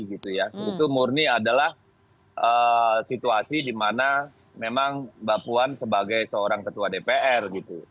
itu murni adalah situasi di mana memang mbak puan sebagai seorang ketua dpr